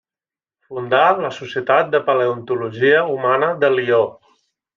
Fundà la Societat de paleontologia Humana de Lió.